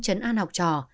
chấn an học trò